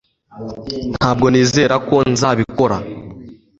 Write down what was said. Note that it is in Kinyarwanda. ntabwo nizera ko nzabikora